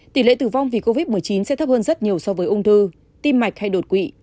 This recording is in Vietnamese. tỷ lệ tử vong vì covid một mươi chín sẽ thấp hơn rất nhiều so với ung thư tim mạch hay đột quỵ